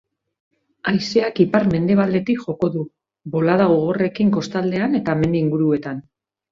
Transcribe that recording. Haizeak ipar-mendebaldetik joko du, bolada gogorrekin kostaldean eta mendi inguruetan.